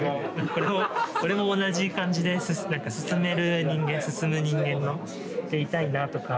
これも同じ感じで進める人間進む人間でいたいなとか。